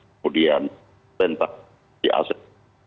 kemudian tentak di aset